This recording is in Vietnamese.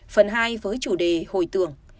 phần hai với chủ đề hồi tượng